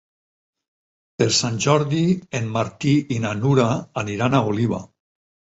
Per Sant Jordi en Martí i na Nura aniran a Oliva.